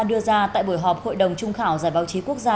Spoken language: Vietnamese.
đưa ra tại buổi họp hội đồng trung khảo giải báo chí quốc gia